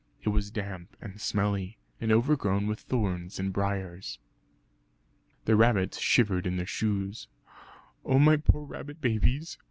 It was damp and smelly, and overgrown with thorns and briars. The rabbits shivered in their shoes. "Oh my poor rabbit babies!